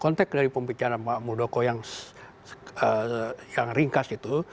konteks dari pebicaraan pak modoko yang ringkas itu